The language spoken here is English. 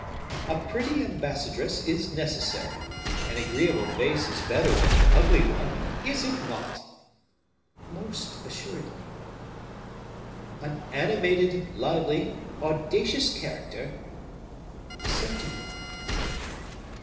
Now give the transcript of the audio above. "A pretty ambassadress is necessary; an agreeable face is better than an ugly one, is it not?" "Most assuredly." "An animated, lively, audacious character." "Certainly."